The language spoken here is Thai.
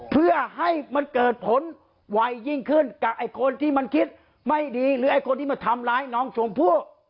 เพื่อให้มันเกิดผลวัยยิ่งขึ้นกับคนที่มันคิดไม่ดีหรือคนที่ทำร้ายน้องช่วงผู้